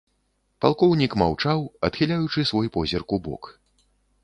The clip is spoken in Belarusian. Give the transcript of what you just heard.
Палкоўнік маўчаў, адхіляючы свой позірк убок.